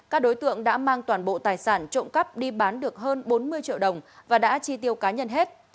các đối tượng đã mang toàn bộ tài sản trộm cắp đi bán được hơn bốn mươi triệu đồng và đã chi tiêu cá nhân hết